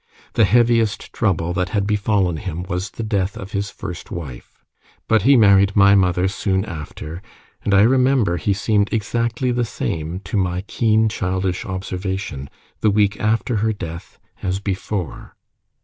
The heaviest trouble that had befallen him was the death of his first wife. But he married my mother soon after; and I remember he seemed exactly the same, to my keen childish observation, the week after her death as before.